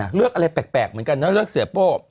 อะไรแปลกเหมือนกันนะเลิกเสียโป้